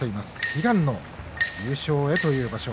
悲願の優勝へという場所